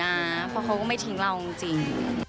เพราะเขาก็ไม่ทิ้งเราจริง